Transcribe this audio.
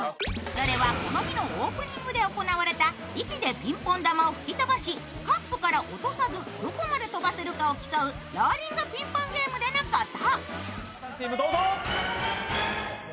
それはこの日のオープニングで行われた息でピンポン玉を吹き飛ばし、カップから落とさずにどこまで飛ばせるかを競う「ローリングピンポンゲーム」でのこと。